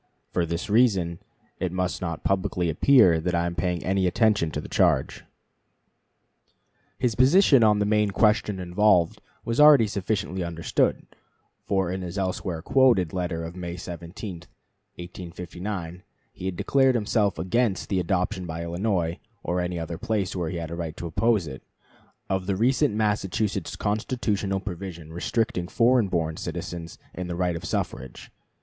For this reason it must not publicly appear that I am paying any attention to the charge." Lincoln to Dr. Theodore Canisius, May 17, 1859. His position on the main question involved was already sufficiently understood; for in his elsewhere quoted letter of May 17, 1859, he had declared himself against the adoption by Illinois, or any other place where he had a right to oppose it, of the recent Massachusetts constitutional provision restricting foreign born citizens in the right of suffrage.